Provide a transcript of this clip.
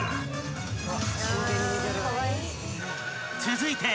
［続いて］